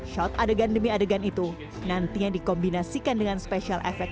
shot adegan demi adegan itu nantinya dikombinasikan dengan special effect